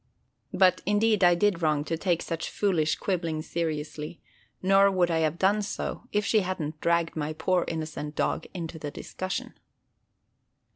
But indeed I did wrong to take such foolish quibbling seriously; nor would I have done so, if she hadn't dragged my poor innocent dog into the discussion.